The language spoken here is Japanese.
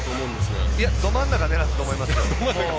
ど真ん中狙ったと思いますよ。